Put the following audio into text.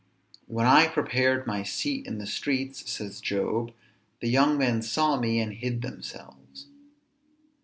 When I prepared my seat in the street, (says Job,) _the young men saw me, and hid themselves.